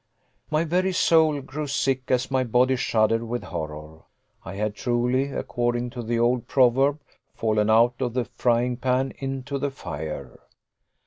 My very soul grew sick as my body shuddered with horror. I had truly, according to the old proverb, fallen out of the frying pan into the fire.